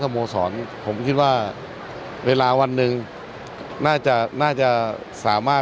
การผสมภาษาสารเขาให้ก่อนแค่คาวจะควรเวลกินใช่ไหม